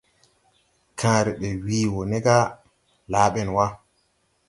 Kããre ɓɛ wii wo ne ga : Laa ben wa!